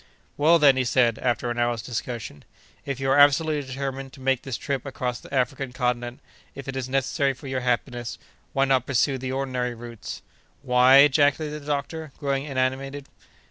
"Well, then," he said, after an hour's discussion, "if you are absolutely determined to make this trip across the African continent—if it is necessary for your happiness, why not pursue the ordinary routes?" "Why?" ejaculated the doctor, growing animated.